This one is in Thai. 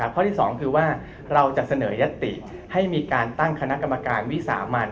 ข้อที่๒คือว่าเราจะเสนอยัตติให้มีการตั้งคณะกรรมการวิสามัน